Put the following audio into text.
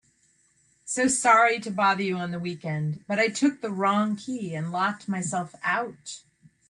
So sorry to bother you on the weekend, but I took the wrong key and locked myself out.